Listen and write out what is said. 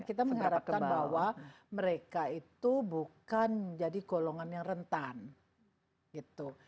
kita mengharapkan bahwa mereka itu bukan menjadi golongan yang rentan gitu